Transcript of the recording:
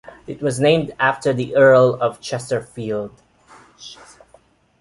It was named after the Earl of Chesterfield.